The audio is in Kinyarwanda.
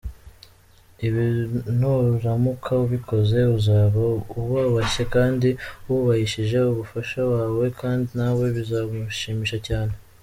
Ibi nuramuka ubikoze uzaba wubashye kandi wubahishije umufasha wawe kandi nawe bizamushimisha cyane.